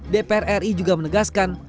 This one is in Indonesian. dpr ri juga menegaskan